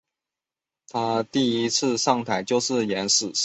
她第一次上台是演死尸。